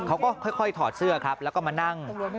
เขาก็ค่อยถอดเสื้อครับแล้วก็มานั่ง